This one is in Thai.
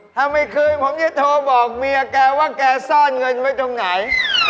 ถ้าไม่คืนผมจะโทรบอกเมียแกว่าแกซ่อนเงินไว้ตรงไหน